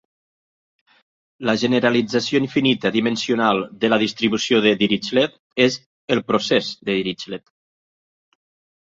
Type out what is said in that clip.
La generalització infinita dimensional de la distribució de Dirichlet és el "procès de Dirichlet".